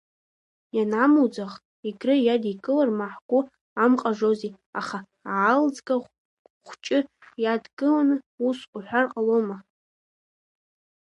Ианамуӡах, Егры иадикылар ма ҳгәы амҟажози, аха Аалӡга хәҷы иадкылан ус уҳәар ҟалома?